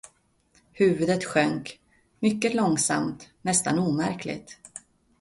Huvudet sjönk, mycket långsamt, nästan omärkligt.